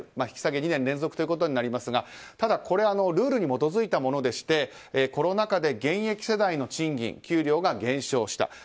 引き下げ２年連続となりますがただこれ、ルールに基づいたものでしてコロナ禍で現役世代の賃金給料が減少した。